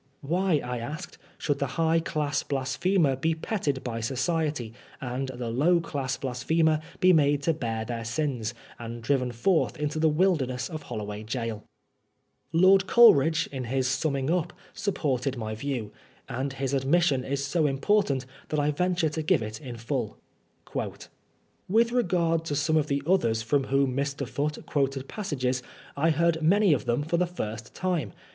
Why, I asked, should the high class blasphemer be petted by society, and the low class blasphemer be made to bear their sins, and driven forth into the wilderness of HoUoway Gaol ? Lord Coleridge, in his summing up, supported my view, and his admission is so important that I venture to give it in full. " With regard to some of the others from whom Mr. Foote quoted passages, I heard many of them for the first time.